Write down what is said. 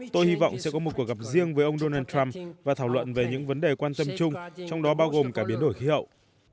tôi hy vọng sẽ có một cuộc gặp riêng với ông donald trump và thảo luận về những vấn đề quan tâm chung trong đó bao gồm cả biến đổi khí hậu